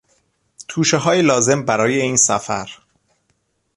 توشههای لازم برای این سفر